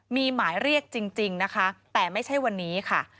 มีหมายเรียกจริงนะคะแต่ไม่ใช่วันนี้ค่ะ